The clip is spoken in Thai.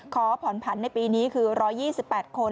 ขอผ่อนผันในปีนี้คือ๑๒๘คน